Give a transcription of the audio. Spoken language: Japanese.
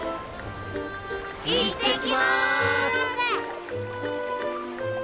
行ってきます！